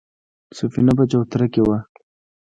سفينه په چوتره کې وه.